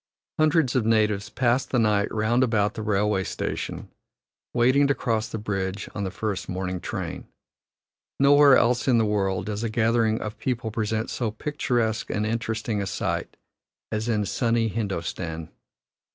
Hundreds of natives pass the night round about the railway station, waiting to cross the bridge on the first morning train. Nowhere else in the world does a gathering of people present so picturesque and interesting a sight as in sunny Hindostan.